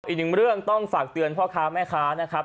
อีกหนึ่งเรื่องต้องฝากเตือนพ่อค้าแม่ค้านะครับ